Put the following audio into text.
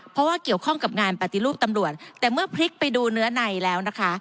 เพราะว่าเกี่ยวข้องกับงานปฏิรูปตำรวจแต่เมื่อพลิกไปดูเนื้อในแล้วนะคะ